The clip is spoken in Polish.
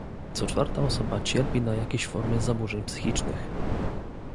co czwarta osoba cierpi na jakieś formy zaburzeń psychicznych